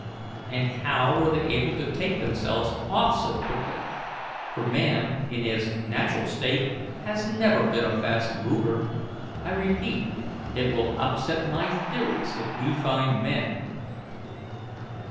And how were they able to take themselves off so quickly for man in his natural state has never been a fast mover? I repeat, it will upset my theories if we find men."